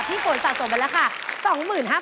พี่ฝนสะสมเป็นราคา๒๕๐๐๐บาท